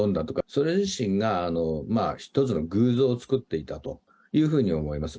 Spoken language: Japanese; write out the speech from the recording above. それ自身が一つの偶像を作っていたというふうに思います。